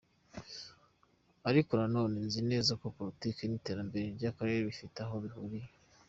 Ariko nanone nzi neza ko politiki n'iterambere ry'akarere bifite aho bihuriye.